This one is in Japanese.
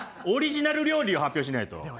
オリジナル料理を発表しないと。